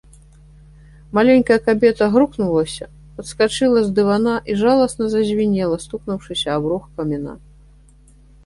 Маленькая кабета грукнулася, падскочыла з дывана і жаласна зазвінела, стукнуўшыся аб рог каміна.